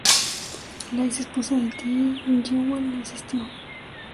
La ex esposa de Ty, Jewel, no asistió.